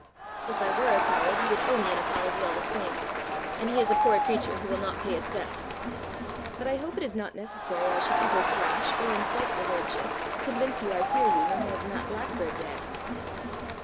"If I were a coward, you would owe me an apology all the same, and he is a poor creature who will not pay his debts. But I hope it is not necessary I should either thrash or insult your lordship to convince you I fear you no more than that blackbird there!"